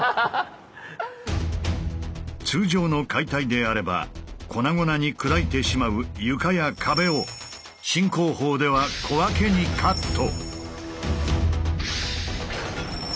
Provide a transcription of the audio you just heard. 通常の解体であれば粉々に砕いてしまう床や壁を新工法では小分けにカット。